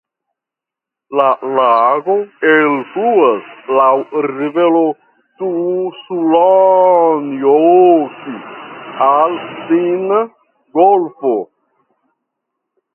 La lago elfluas laŭ rivero Tuusulanjoki al Finna golfo.